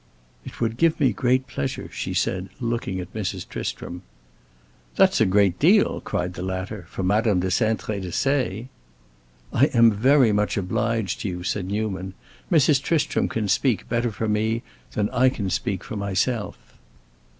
"It would give me great pleasure," she said, looking at Mrs. Tristram. "That's a great deal," cried the latter, "for Madame de Cintré to say!" "I am very much obliged to you," said Newman. "Mrs. Tristram can speak better for me than I can speak for myself."